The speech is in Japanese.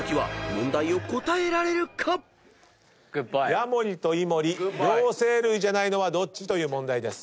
「ヤモリとイモリ両生類じゃないのはどっち？」という問題です。